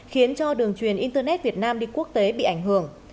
khiến cho đường truyền internet việt nam đi quốc tế bị ảnh hưởng